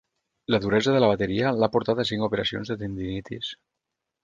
La duresa de la bateria l'ha portat a cinc operacions de tendinitis.